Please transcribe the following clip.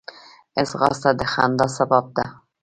ځغاسته د خندا سبب ده